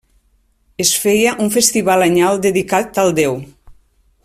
Es feia un festival anyal dedicat al déu.